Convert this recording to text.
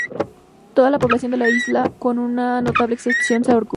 Toda la población de la isla, con una notable excepción, se ahogó.